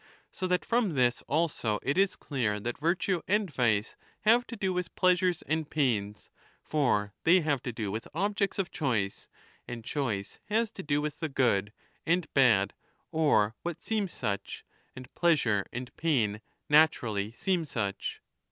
So that from this also it is clear that virtue and vice have to do with pleasures and pains ; for they have to do with objects of choice, and choice has to do with the good and bad or what seems such, and pleasure and pain naturally seem such.